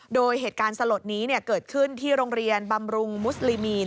โดยเหตุการณ์สลดนี้เกิดขึ้นที่โรงเรียนบำรุงมุสลิมีน